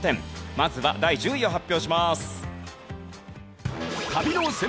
まずは第１０位を発表します。